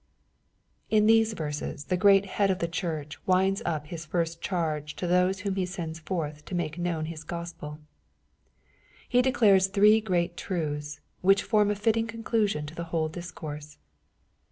In these verses the great Head of the Church winds up His first charge to those whom He sends forth to make known His Gospel. He declares three great truths, which form a fitting conclusion to the whole discourse.